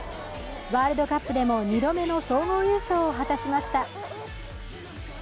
ワールドカップでも二度目の総合優勝を果たしました。